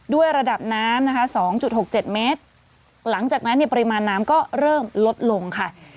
ด้วยระดับน้ำนะคะ๒๖๗เมตรหลังจากนั้นเนี่ยปริมาณน้ำก็เริ่มลดลงค่ะ